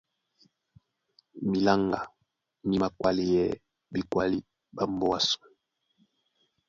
Miláŋgá mí mākwáleyɛɛ́ ɓekwálí ɓá mbóa ásū.